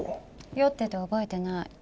酔ってて覚えてない。